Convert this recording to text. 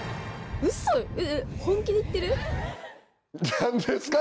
何ですか？